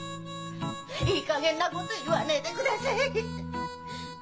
いいかげんなこと言わねえでください。